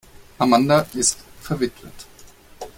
Amanda ist verwitwet.